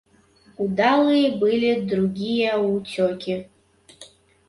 Удалыя былі другія ўцёкі.